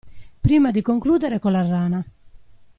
Prima di concludere con la rana.